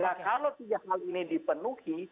nah kalau tiga hal ini dipenuhi